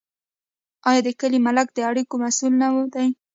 آیا د کلي ملک د اړیکو مسوول نه وي؟